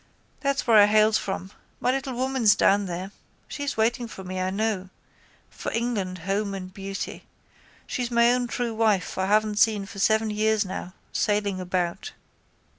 That's where I hails from. My little woman's down there. She's waiting for me, I know. For England, home and beauty. She's my own true wife I haven't seen for seven years now, sailing about.